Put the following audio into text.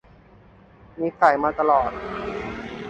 มีไก่มาตลอด